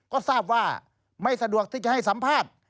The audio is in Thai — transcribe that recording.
ก็ทราบว่าไม่สะดวกที่จะให้สัมภาษณ์